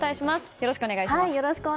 よろしくお願いします。